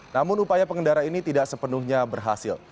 namun upaya pengendara ini tidak sepenuhnya berhasil